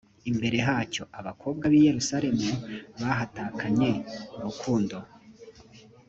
imbere hacyo abakobwa b i yerusalemu bahatakanye urukundo